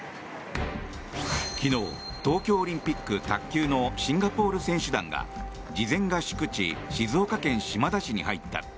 昨日、東京オリンピック卓球のシンガポール選手団が事前合宿地静岡県島田市に入った。